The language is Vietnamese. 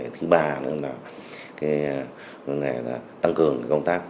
thứ ba là tăng cường công tác